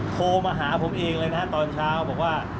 โทรมาหาผมเองเลยนะตอนเช้าบอกว่า